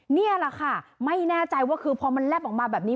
นี่แหละค่ะไม่แน่ใจว่าคือพอมันแลบออกมาแบบนี้